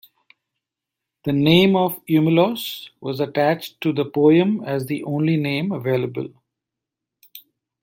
The name of Eumelos was attached to the poem as the only name available.